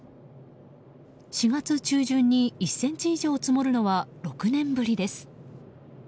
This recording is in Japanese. ４月中旬に１ｃｍ以上積もるのは６年ぶりです。